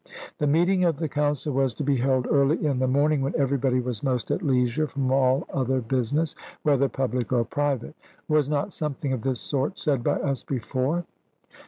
The meeting of the council was to be held early in the morning, when everybody was most at leisure from all other business, whether public or private was not something of this sort said by us before?